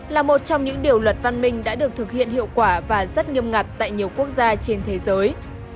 là một trong những điều luật văn minh đã được thực hiện hiệu quả và rất nghiêm ngặt tại nhiều quốc gia trên thế giới